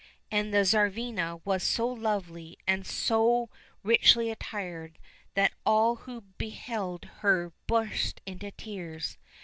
And the Tsarivna was so lovely and so richly attired that all who beheld her burst into tears.